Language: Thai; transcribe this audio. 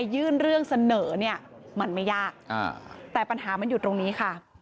ยื่นเรื่องเสนอเนี่ยมันไม่ยากแต่ปัญหามันอยู่ตรงนี้ค่ะ